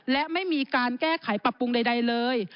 และไม่มีการแก้ไขปรับปรุงใดเลย